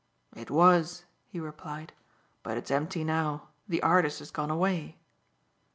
"It was," he replied; "but it's empty now, the artist has gone away."